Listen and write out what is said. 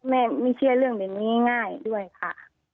แม่ไม่เชื่อเรื่องเป็นง่ายด้วยค่ะ